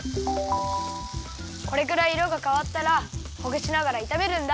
これくらいいろがかわったらほぐしながらいためるんだ！